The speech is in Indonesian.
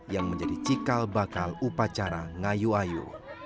yang menjadi cikal bakal upacara ngayu ayu